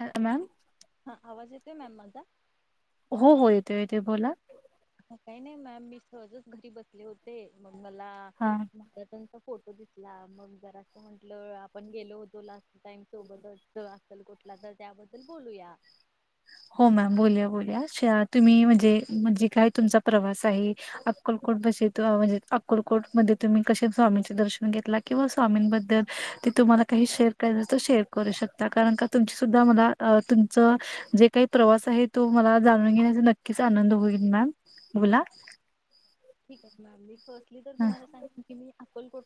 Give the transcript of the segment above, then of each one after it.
Hello ma'am. हा आवाज येतोय मॅम माझा. ते य ते बोला. काही नाही मॅम मी सहजच घरी बसले होते मग. मला हा मा्यातून फोटो घसला मग जरा असं म्हंटल आपण गेलो होतो लास्ट टाइम सोबत असल कुठला तर त्याबद्दल बोलूया हो मॅम बोलया बोल तुम्ही म्हणजे म्हणजे काय तुमचा प्रवास आहे अक्कलकोट बसे म्हणजे अक्कोलकोटमध्येध्ये तुम्ही कसे स्वामीचे दर्शन घेतला किंवा स्वामींबद्दल ते तुम्हाला काही शेअर कय शेअर करू शकता कारण का तुमची सुद्धा मला तुमच जे काही प्रवास आहे तो मला जाणून घेण्याचा नक्कीच आनंद होईल मॅम बोला. ठीक आहे प्रॅम. सली तर ह, तुम्हाला सांग की मी.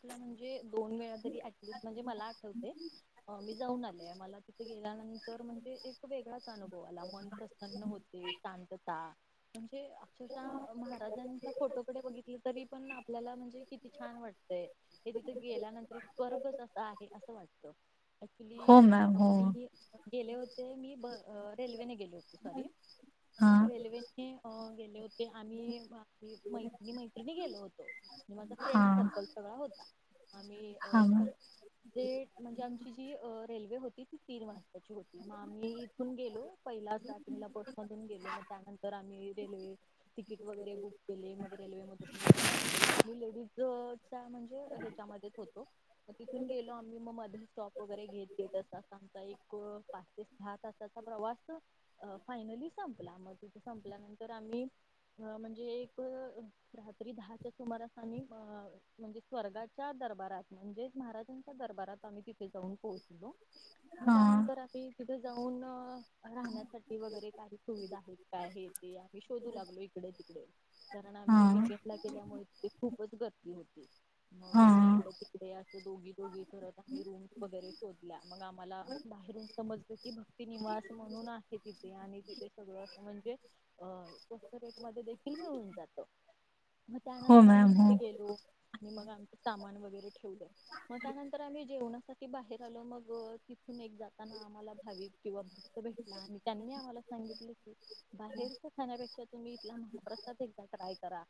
टला म्हण दोन वेळा तरी टलिस्ट म्हणजे मला आठवते मी जाऊन आले मला तिथे गेल्यानंतर म्हणजे एक वेगळाच अनुभव आला मन प्रसन्न होते शांतता [unintelligible] ते अक्षरशः महाराजांचा इथ बघितलं तरी पण आपल्याला म्हणजे किती छान वाटतय हे तिथं गेल्यानंतर एक स्वर्गच अस आहे असं वाटत हो अक्चुली मॅम हो [unintelligible] गेले होते ते मी ब रेल्वेने गेल होते सॉरी हा रेल्वेने अ गेले होते आम्ही मैत्रिणी मैत्रिणी गेलो होतो आणि माझा हा फ्रेंड सर्कल सगळा होता आम्ही अ हा मॅम सगळे अ म्हणजे आमची जी रेल्वे होती ती तीन वाजताची होती मग आम्ही इथून गेलो पहिला सात मे ला बस मधून गेलो मग त्यानंतर आम्ही रेल्वे तिकीट वगैरे बुक मग रेल्वे मधून मी प्रवास केला आम्ही लेडीज त्या म्हणजे ह्याच्यामध्येच होतो मग तिथून गेलो आम्ही, मग मध्ये स्टॉप वगैरे घेत घेत अस आमचा एक पाच ते सहा तासाचा प्रवास फायनली संपला मग तिथे संपल्यानंतर आम्ही म्हणजे अ रात्री दहाच्या सुमारास आम्ही म्हणजे स्वर्गाच्या दरबारात म्हणजेच महाराजांच्या दरबारात आम्ही तिथे जाऊन पोहोचलो मग हा त्यानंतर आही तिथे जाऊन राहण्यासाठी वगैरे काही सुविधा आहेत काय हे ते आम्ही शोधू लागलो इकडे तिकडे कारण हा आम्ही विकेंट ला गेल्यामुळे तिथे खूपच गर्दी होती [inaudible] मग हा आम्ही इकडे तिकडे अस दोघी. दोघी करत आम्ही रूम वगैरे शोधल्या मग आम्हाला बाहेरून समजत की भक्ती निवास म्हणून आहे तिथे आणि तिथे सगळं अस म्हणजे अ स्वस्त रेट मध्ये देखील मीळून. मग हो त्यानंतर आम्ही मॅम हो तिथे गेलो. मग आम्ही सामान वगैरे म त्यानंतर आम्ही जेवूण. म ते बाहेर आलो मग अं तिथून एक जाताना आम्हाला भाविक किंवा भेटला आणि त्यांनी आम्हाला सांगितले की बाहेरच्या खाण्यापेक्षा तुम्ही इथला महाप्रसाद एकदा. ट्राय करा.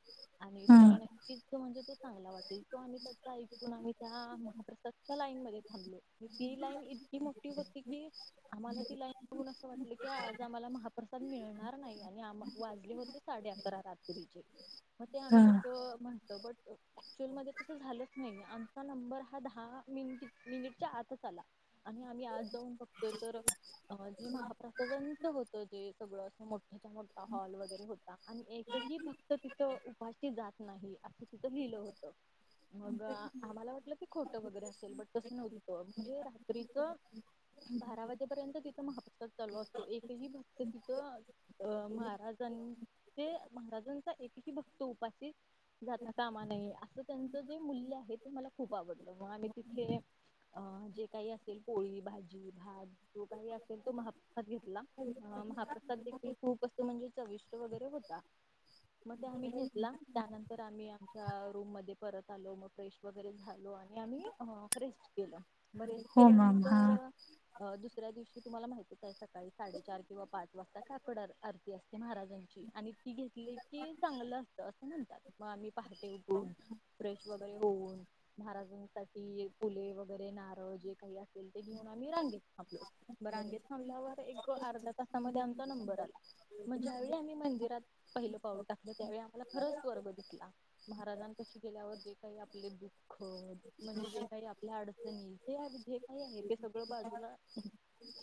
आणि हा तुम्हाला नक्कीच तो म्हणजे. ते चांगला वाटला. [unintelligible] आणि त्याचा ऐकून आणि त्या महाप्रसादच्या लाईन मध्ये. हरलो. ती लाईन इतकी मोठ्ठी होती की आम्हाला ती लाईन बघून असं वाटलं की, आज आम्हाला महाप्रसाद मिळणार नाही आणि आम वाजले होते साडे अकरा रात मग ते आम्ही हा तस म्हटलं बट ऍक्च्युअल मध्ये तसं झालंच नाही आमचा नंबर हा दहा मिनिट मिनिटच्या आतच आला. आणि आम्ही आत जाऊन बघतोय तर अ जे महाप्रसादांच होत जे सगळंं अस मोठ. त्याचा मोठ्ठा हॉल वगैरे होता आणि एक भक्त तिथं उपाशी जात नाही असं तिथ लिहिलं होत. मग आम्हाला वाटलं की खोट वगैरे असेल बट तसं नव्हतं म्हणजे रात्रीच बारा वाजेपर्यंत तिथं महाप्रसाद चालू असतो एकही भक्त तिथ अ महाराजांचे महाराजांचा एकही भक्त उपासित जाता कामा नये असं त्यांच जे मूल्य आहे ते मला खूप आवडलं वा नी तिथे. अं जे काही असेल पोळी, भाजी, भात. तो काही असेल तो महाप्रसाद घेतला अ महाप्रसाद देखील खूप असे म्हणजे चविष्ट वगैरे होत. का म ते आम्ही घेतला त्यानंतर आम्ही आमच्या रूम मध्ये परत. आलो म फ्रेश वैगरे झालो आणि ही फ्रे [unintelligible] केल. बरेच हो मॅम हा केल्यानंतर अ दुस दुसऱ्या दिवशी तुम्हाला माहतीच आहे सकाळी साडेचार किंवा पाच वाजता काकड अर आरती असते महाराजांची आणि घेतली की चांगलं असतं अस. म्हणतात मग आमी पहाटे उठून फ्रेश वगैरे होऊन महाराज फुले वगैरे नारळ जे काही असेल घेऊन आम्ही रांगेत थांबलो. मग रांगेत थांबल्यावर एक अर्धा तासामध्ये आमचा नंबर आला मग ज्यावेळी आम्ही मंदिरात पहिलं पाऊल टाकलं त्यावेळी आम्हाला खरंच स्वर्ग दिसला महाराजां पाशी गेल्यावर जे काही आपले दुःख म्हणजे जे काही आपल्या अडचणी जे काही आहे ते सगळं बाजूला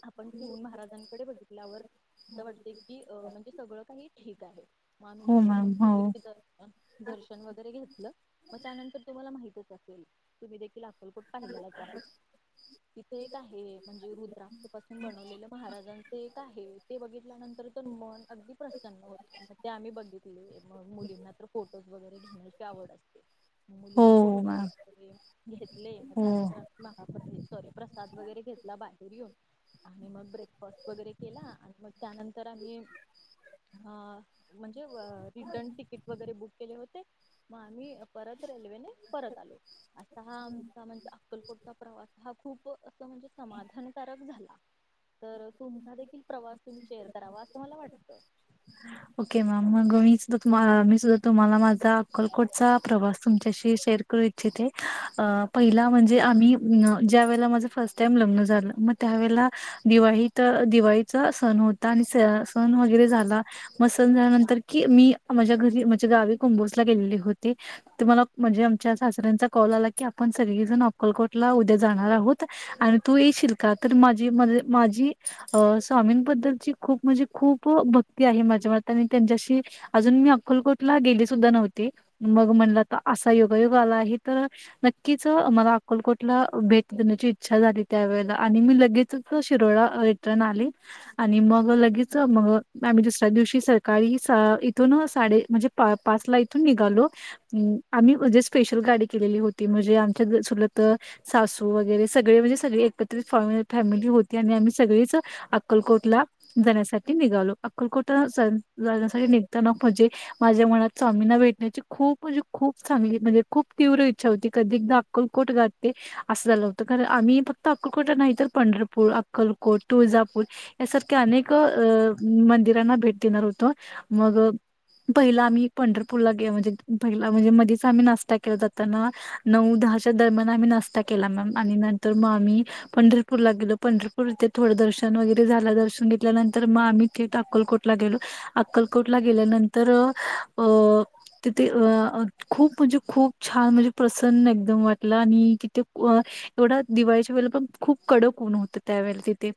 आपण ठेवून महाराजांकडे बघितल्यावर अस वाटते की म्हणजे सगळं काही ठीक मग आम्ही हो तिथून मॅम हो मस्तपैकी दर्शन वगैरे घेतलं मग त्यानंतर तुम्हाला माहितच असेल तुम्ही देखील पाहिलेलाच आहे तिथे एक आहे म्हणजे रु ्रपासून बनवलेलं महाराजांच एक आहे ते बघितल्यानंतर तर मन अगदी प्रसन्न होत मग ते आम्ही बघितले मुलींना तर फोटोज वगैरे घेण्याची आवड असते हो मुलींनी फोटोज मॅम वगैरे घेतले मग हो त्यानंतर आम्ही सॉरी प्रसाद वगैरे घेतला बाहेर येऊन आणि मग ब्रेकफास्ट वगैरे केला आणि मग त्यानंतर आम्ही हा म्हणजे अं रिटर्न तिकीट वगैरे बुक केले होते मग आम्ही परत रेल्वेने परत आलो. असा हा आमचा म्हणजे अक्कलकोटचा प्रवास हा खूप असं म्हणजे समाधानकारक झाला. तर तुमचा देखील प्रवास तुम्ही शेअर करावा असं मला वाटतं. ओके मॅम मग मी सुद्धा मी सुद्धा तुम्हाला माझा तुम्हाला माझा अक्कलकोटचा प्रवास तुमच्याशी शेअर करू इच्छिते अ पहिला म्हणजे आम्ही ज्या वेळेला माझ फर्स्ट टाइम लग्न झालं मग त्यावेळेला दिवाळीत तर दिवाळीचा सण होता आणि सण वगैरे झाला मग सण झाल्यानंतर की मी माझ्या घरी म्हनजे गावी कुंभोसला गेलेले होते तर मला म्हणजे आमच्या सासऱ्यांचा कॉल आला की आपण सगळीजण अक्कलकोटला उद्या जाणार आहोत आणि तू येशील का? तर माझी मर् माझी अ स्वामींबद्दलची खूप म्हणजे खूप भक्ती आहे माझ्या मनातं आणि त्यांच्याशी अजून मी अक्कलकोटला गेली सुद्धा नव्हती मग म्हणलं तर असा योगायोग आला आहे तर नक्कीच मला अक्कलकोटला भेट देण्याची इच्छा झाली त्यावेेळेला आणि मी लगेचच शिरोळा आले आणि मग लगेच मग आम्ही दुसऱ्या दिवशी सकाळी इथून साडे म्हणजे पाच ला इथून निघालो आम्ही म्हणजे जे स्पेशल गाडी केलेली होती म्हणजे आमच्या चुलत सासू वगैरे सगळे म्हणजे सगळे एकत्रित फॅमिली होती आणि आमी सगळीच अक्कलकोटला जाण्यासाठी निघालो अक्कलकोटला जाण्यासाठी निघताना म्हणजे माझ्या मनात स्वामींना भेटण्याची खूप म्हणजे खूप चांगली म्हणजे खूप तीव्र इच्छा होती. कधी एकदा अक्कलकोटला जाते असं झालं होतं कारण आम्ही फक्त अक्कलकोटला नाहीत पंढरपूर अक्कल कोट तुळजापूर यासारख्या अनेक अं मंदिरांना भेट देणार होतो मग पहिला आम्ही पंढरपूरला गे म्हणजे पहिला म्हणजे मधीच आम्ही नाश्ता केला जाताना नऊ दहाच्या दरम्यान आम्ही नाश्ता केला मॅम आणि नंतर मग आम्ही पंढरपूरला गेलो पंढरपू थे थोडं दर्शन वगैरे झालं दर्शन घेतल्यानंतर मग आम्ही थेट अक्कलकोटला गेलो अक्कलकोटला गेल्यानंतर अ तिथे अ खूप म्हणजे खूप छान म्हणजे प्रसन्न एकदम वाटलं आणि तिथे एवढा दिवाळीच्या वेळेला पण खूप कडक ऊन होते त्यावेळे तिथे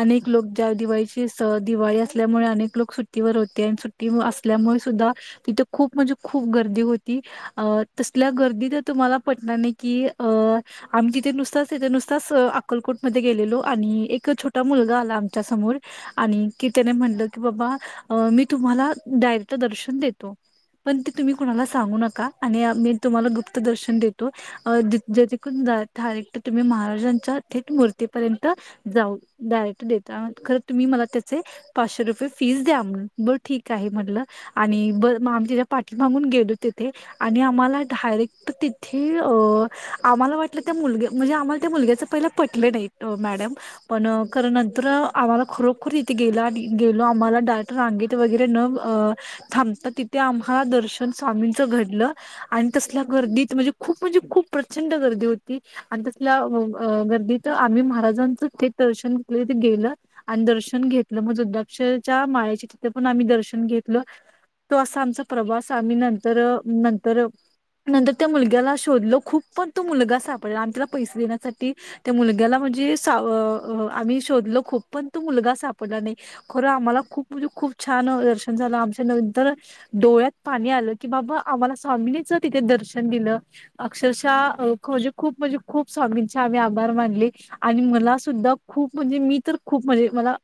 अनेक लोक ज्या दिवाळीची स दिवाळी असल्यामुळे अनेक लोक सुट्टीवर होते आणि सुट्टीवर असल्यामुळे सुद्धा तिथे खूप म्हणजे खूप गर्दी होती अ तसल्या गर्दीत तुम्हाला पटणार नाही कि अं आम्ही तिथे नुसताच तिथे नुसताच अकलकोट मध्ये गेलेलो आणि एक छोटा मुलगा आला. आमच्या समोर आणि की त्याने म्हणलं की बाबा मी तुम्हाला डायरेक्ट दर्शन देतो. पण ते तुम्ही कुणाला सांगू नका. आणि मी तुम्हाला गुप्त दर्शन देतो जेथून डायरेक्ट तुम्ही महाराजांच्या थेट मूर्तीपर्यंत जाऊ डायरेक्ट देतात खरं तुम्ही मला त्याचे पाचशे रुपये फीस द्या. म्हनून बरं ठीक आहे म्हटलं आणि बर मग आम्ही ज पाठी मागून गेलो तिथे आणि आम्हाला डायरेक्ट तिथे अ आम्हाला वाटलं त्या मुलग्या म्हणजे आम्हाला त्या मुलग्याच पहिला पटल नाही. मॅडम पण खर नंतर आम्हाला खरोखर तिथे गेल आणि गेलो आम्हाला डायरट रांगेत वगैरे न थांबता तिथे आम्हाला दर्शन स्वामींच घडलं आणि तसल्या गर्दीत म्हणजे खूप म्हणजे खूप प्रचंड गर्दी होती. आणि तसल्या गर्दीत आम्ही महाराजांचं थेट दर्शन घे गेलं आणि दर्शन घेतलं मग जुद्धाक्षरच्या माळ्याचे तिथे पण आम्ही दर्शन घेतल तो असा आमचा प्रवास आम्ही नंतर नंतर नंतर त्या मुलग्याला शोधलो खूप पण तो मुलगा सापडला आणि त्याला पैसे देण्यासाठी त्या मुलग मु्लग्याला म्हणजे सा आम्ही शोधलो खूप पण तो मुलगा सापडला नाही खरं आम्हाला खूप म्हणजे खूप छान दर्शन झालं आमच्या नंतर डोळ्यात पाणी आलं की बाबा आम्हाला स्वामीनीच तिथे दर्शन दिलं अक्षरशः म्हणजे खूप म्हणजे खूप स्वामींचे आम्ही आभार मानले. आणि मला सुद्धा खूप म्हणजे मी तर खूप म्हणजे मला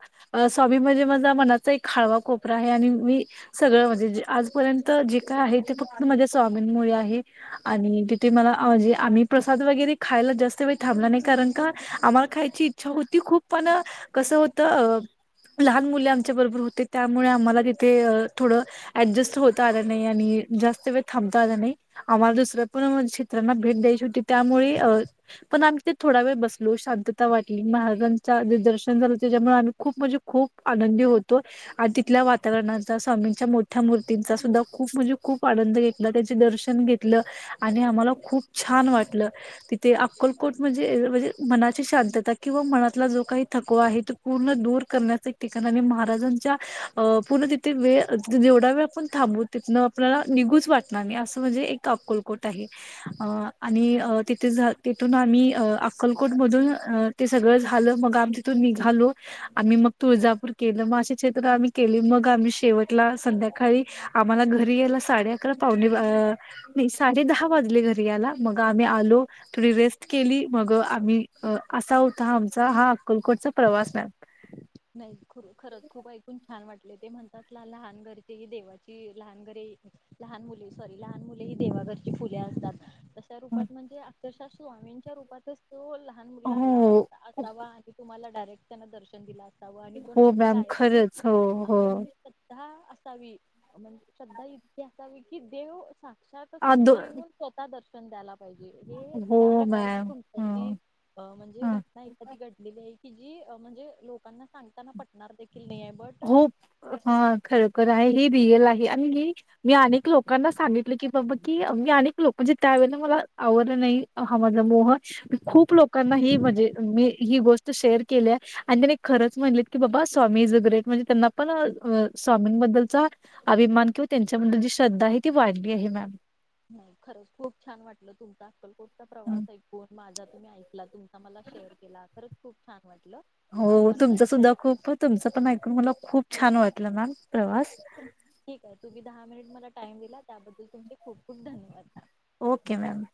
स्वामी म्हणजे माझा मनाचा एक हाळवा कोपरा आहे. आणि मी सगळं म्हणजे आजपर्यंत जे काय आहे ते फक्त माझ्या स्वामींमुळे आहे. आणि तिथे मला म्हणजे आम्ही प्रसाद वगैरे खायला जास्त वेळ थांबला नाही कारण का आम्हाला खायची इच्छा होती. खूप पण कसं होतं अ लहान मुले आमच्या बरोबर होते त्यामुळे आम्हाला तिथे थोडं ऍडजस्ट होत आलं नाही आणि जास्त वेळ थांबता आला नाही. आम्हाला दुसऱ्या पण क्षेत्रांना भेट द्यायची होती त्यामुळे पण आम्ही थोडा वेळ बस शांतता वाटली महाराजांचा ज दर्शन झालं त्याच्यामुळे आम्ही खूप म्हणजे खूप आनंदी होतो. आणि तिथल्या वातावरणाचा स्वामींच्या मोठ्या मूर्तींचा सुद्धा खूप म्हणजे खूप आनंद घेतला. त्याचे दर्शन घेतलं आणि आम्हाला खूप छान वाटलं तिथे अक्कलकोट म्हणजे म्हणजे मनाची शांतता किंवा मनातला जो काही थकवा आहे तो पूर्ण दूर करण्याच एक ठिकाण आ महाराजांच्या अ पूर्ण तिथे वेळ जेवढा वेळ आपण थांबू तिथन आपल्याला निघूच वाटणार नाही. असं म्हणजे एक अक्कलकोट आहे. अ आणि तिथे तिथून आम्ही अ अक्कलकोट मधून ते सगळं झालं मग आम्ही तिथून निघालो‌. आम्ही मग तुळजापूर केलं. मग अशी क्षेत्र आम्ही केली. मग आम्ही शेवटला संध्याकाळी आम्हाला घरी यायला साडे अकरा पावणे साडे दहा वाजले घरी यायला मग आम्ही आलो थोडी रेस्ट केली मग आम्ही असा होता आमचा हा अक्कलकोटचा प्रवास‌. नाही खर खूप ऐकून लान वाटले ते म्हणतात लहान घरची ह देवाची लहान घरी लहान मुले सॉरी लहान मुले ही देवाघरची फुले असतात. तशा रूपात म्हणजे तशा स्वामींच्या रूपातच तो लहान मुलगा अलावा हो असावा आणि तुम्हाला डारेक्ट त्यांना दर्श दिल अस. आणि तो हो नंतर मॅम गायब की खरंच हो हो आपण जी श्रद्धा म्हणजे श्रधा इती असावी की देव सां आ दो समोर येऊन स्वतः दर्शन त्याला [unintelligible] जे हे हो त्या प्रकारे मॅम ह तुमच्याशी म्हणजे ह घटना एखादी घडलेली आहे. जी म्हणजे लोकांना सांगताना पटणार नाही. देखील आहे बट हो हा खरोखर आहे. हे रियल आहे आणि मी अनेक लोकांना सांगितलं की बाबा की मी अनेक लोक म्हणजे त्यावेेळेला मला आवडलं नाही हा माझा मोह म खूप लोकांना ह म्हणजे मी ही गोष्ट शेअर केली. आणि त्याने खरंच म्हणले की बाबा स्वामी इज ग्रेट. म्हणजे त्यांना पण स्वामींबद्दलचा अभिमान किंवा त्यांच्याबद्दल जी श्रद्धा आहे ती वाढली आहे मॅम. खरंच खूप छान वाटलं तुमच अक्कल तुमचा हं. प्रवास ऐकून माझा तुम्ही ऐकलात तुमचा मला शेअर केला खरच खूप छान वाटलं हो आपण तुमच सुद्धा नंतर खूप तुमच पण ऐकून मला खूप छान वाटलं मॅम प्रवास ठीक आहे तुम्ही दहा मिनिट मला टाइम दिलात. त्याबद्दल तुमचे खूप खूप धन्यवाद. Okay ma'am.